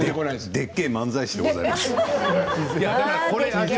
でっけえ漫才師でございます。